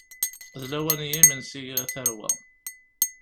D lawan n yimensi, a tarwa.